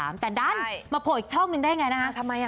แต่ดันมาโผล่อีกช่องหนึ่งได้ไงนะฮะ